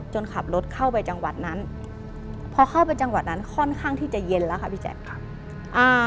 จังหวัดนั้นค่อนข้างที่จะเย็นแล้วค่ะ